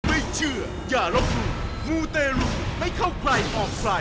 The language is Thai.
ไม่เชื่อย่ารักหมูมูเตรูให้เข้าใครออกไฟ